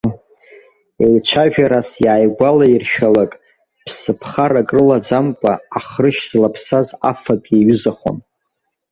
Еицәажәарас иааигәалаиршәалак, ԥсы ԥхарак рылаӡамкәа, ахрышь злаԥсаз афатә иаҩызахон.